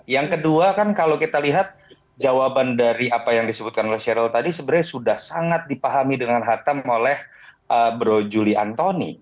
yang kedua kan kalau kita lihat jawaban dari apa yang disebutkan oleh sheryl tadi sebenarnya sudah sangat dipahami dengan hatam oleh bro juli antoni